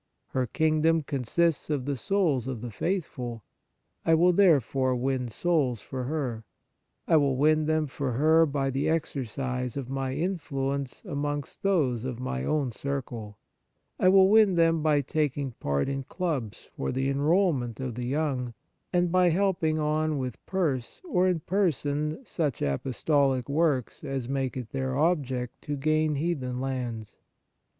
Her kingdom consists of the souls of the faithful : I will therefore win souls for her. I will win them for her by the exercise of my in fluence amongst those of my own circle ; I will win them by taking part in clubs for the enrolment of the young, and by helping on with purse or in person such apostolic works as make it their object to gain heathen lands."